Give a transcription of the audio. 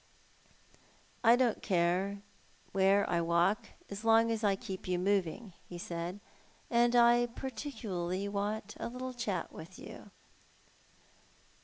"I don't care where 1 walk as long as I keep moving," he said, "and I particularly want a little chat with you."